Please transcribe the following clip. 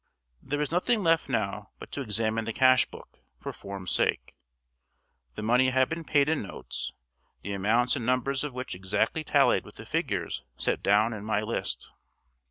There was nothing left now but to examine the cash book, for form's sake. The money had been paid in notes, the amounts and numbers of which exactly tallied with the figures set down in my list.